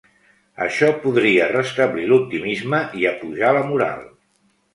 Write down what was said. Això podria restablir l'optimisme i apujar la moral.